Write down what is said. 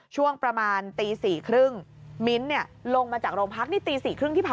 ช่วงประมาณตี๔๓๐นมิ้นท์ลงมาจากโรงพักนี่